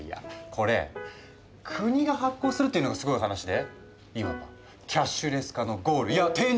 これ国が発行するっていうのがすごい話でいわばキャッシュレス化のゴールいや天竺。